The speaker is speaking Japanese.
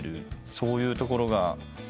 そういうところが。